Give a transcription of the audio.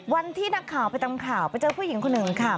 วันที่นักข่าวไปตามข่าวไปเจอผู้หญิงคนหนึ่งค่ะ